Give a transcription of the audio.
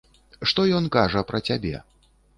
Што ён кажа пра цябе.